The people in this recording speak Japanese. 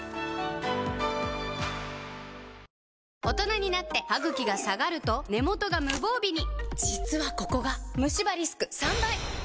大人になってハグキが下がると根元が無防備に実はここがムシ歯リスク３倍！